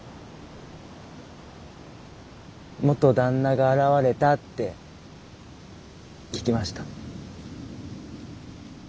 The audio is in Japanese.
元旦那が現れたって聞きました。